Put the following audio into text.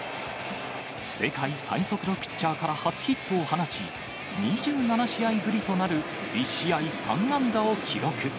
世界最速のピッチャーから初ヒットを放ち、２７試合ぶりとなる１試合３安打を記録。